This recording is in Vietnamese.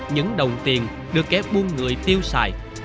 những đồng tiền được kẻ buôn người tiêu xài